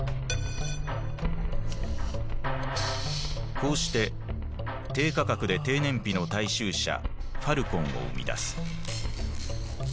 こうして低価格で低燃費の大衆車「ファルコン」を生み出す。